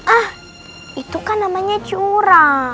ah itu kan namanya curah